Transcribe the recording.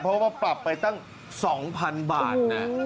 เพราะว่าปรับไปตั้ง๒๐๐๐บาทนะ